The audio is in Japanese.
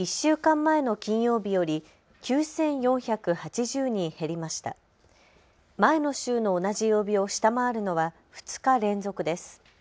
前の週の同じ曜日を下回るのは２日連続です。